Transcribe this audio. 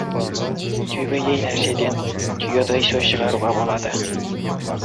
Түймедей нәрседен түйедей сөз шығаруға болады.